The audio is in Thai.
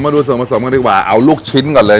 มาดูส่วนผสมกันดีกว่าเอาลูกชิ้นก่อนเลย